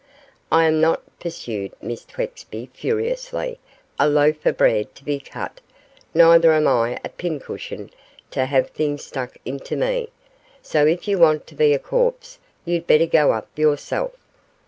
I am not,' pursued Miss Twexby, furiously, 'a loaf of bread to be cut, neither am I a pin cushion to have things stuck into me; so if you want to be a corpse, you'd better go up yourself.